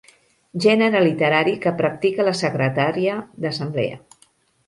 Gènere literari que practica la secretària d'assemblea.